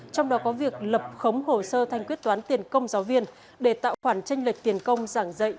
trong đó có việc lập khống hồ sơ thanh quyết toán tiền công giáo viên để tạo khoản tranh lệch tiền công giảng dạy